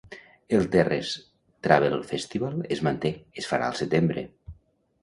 El Terres Travel Festival es manté, es farà al setembre.